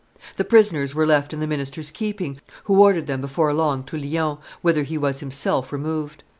The prisoners were left in the minister's keeping, who ordered them before long to Lyons, whither he was himself removed.